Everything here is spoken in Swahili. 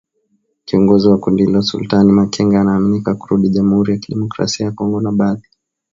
Kiongozi wa kundi hilo Sultani Makenga anaaminika kurudi Jamuhuri ya kidemokrasia ya kongo na badhi